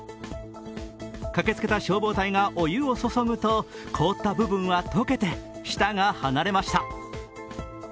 駆けつけた消防隊がお湯を注ぐと、凍った部分は溶けて舌が離れました。